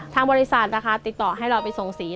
ทางบริษัทนะคะติดต่อให้เราไปส่งสี